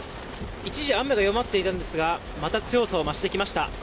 一時、雨は弱まっていたんですがまた強さを増してきました。